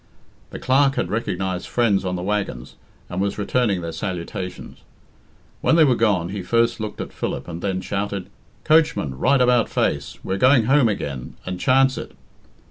The Clerk had recognised friends on the waggons, and was returning their salutations. When they were gone, he first looked at Philip, and then shouted, "Coachman, right about face. We're going home again and chance it."